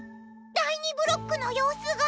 第２ブロックの様子が！